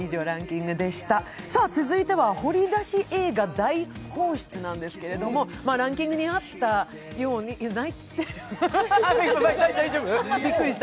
続いては掘り出し映画大放出なんですけれども、ランキングにあったように泣いてる、大丈夫？